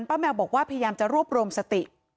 แมวบอกว่าพยายามจะรวบรวมสติ